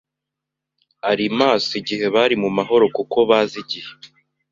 Ari maso igihe bari mu mahoro Kuko bazi igihe